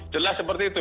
jelas seperti itu